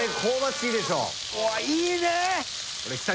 うわいいね！